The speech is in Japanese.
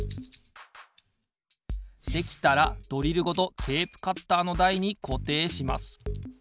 できたらドリルごとテープカッターのだいにこていします。